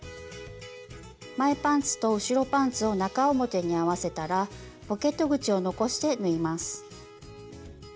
前パンツと後ろパンツを中表に合わせたらポケット口を残して縫います。